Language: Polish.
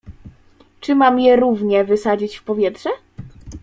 "Czy mam je równie wysadzić w powietrze?"